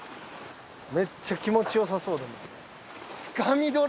めっちゃ気持ちよさそう。